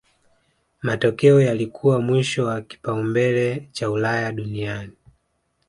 Matokeo yake yalikuwa mwisho wa kipaumbele cha Ulaya duniani